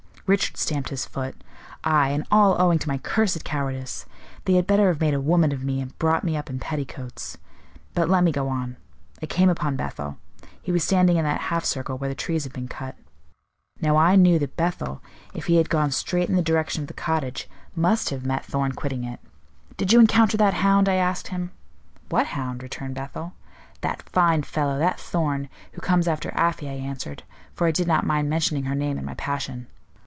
Richard stamped his foot. "Aye; and all owing to my cursed cowardice. They had better have made a woman of me, and brought me up in petticoats. But let me go on. I came upon Bethel. He was standing in that half circle where the trees have been cut. Now I knew that Bethel, if he had gone straight in the direction of the cottage, must have met Thorn quitting it. 'Did you encounter that hound?' I asked him. 'What hound?' returned Bethel. 'That fine fellow, that Thorn, who comes after Afy,' I answered, for I did not mind mentioning her name in my passion.